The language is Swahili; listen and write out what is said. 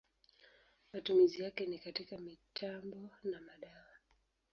Matumizi yake ni katika mitambo na madawa.